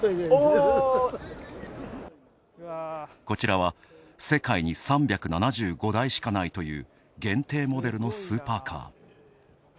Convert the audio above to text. こちらは世界に３７５台しかないという限定モデルのスーパーカー。